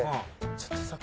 「ちょっとさ